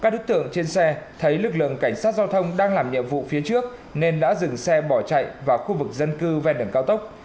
đội chống buôn lậu phía trước nên đã dừng xe bỏ chạy vào khu vực dân cư về đường cao tốc